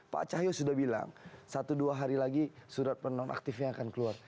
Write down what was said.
pak cahyo sudah bilang satu dua hari lagi surat penonaktifnya akan keluar